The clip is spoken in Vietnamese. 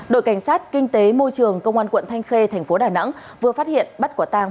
đội cảnh sát kinh tế môi trường công an quận thanh khê thành phố đà nẵng vừa phát hiện bắt quả tàng